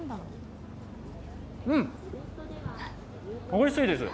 うん、おいしいです。